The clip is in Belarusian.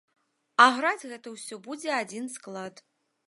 А граць гэта ўсё будзе адзін склад.